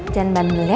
jangan bambil ya